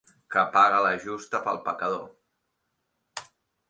Que paga la justa pel pecador.